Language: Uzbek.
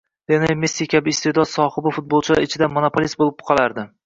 Leonel Messi kabi isteʼdod sohibi futbolchilar ichida “monopolist” bo‘lib qolardi